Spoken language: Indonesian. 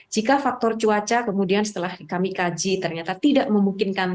jika faktor cuaca kemudian setelah kami kaji ternyata tidak memungkinkan